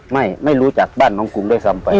ไม่ไม่รู้จักบ้านของผมได้ซ้ำไป